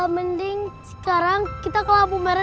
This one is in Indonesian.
mending sekarang kita ke lampu merah